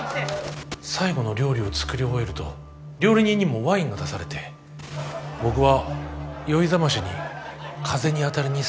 最後の料理を作り終えると料理人にもワインが出されて僕は酔いざましに風に当たりに外へ出たんだ。